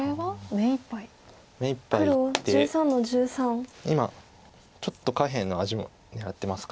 目いっぱいで今ちょっと下辺の味も狙ってますか。